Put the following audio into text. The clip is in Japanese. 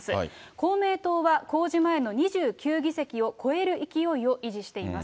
公明党は公示前の２９議席を超える勢いを維持しています。